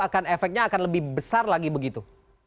akan efeknya akan lebih besar lagi begitu